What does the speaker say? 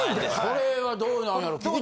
これはどうなんやろう？